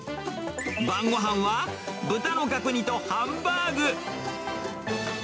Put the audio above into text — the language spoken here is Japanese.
晩ごはんは豚の角煮とハンバーグ。